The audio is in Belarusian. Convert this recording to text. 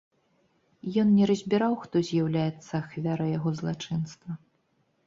Ён не разбіраў, хто з'яўляецца ахвярай яго злачынства.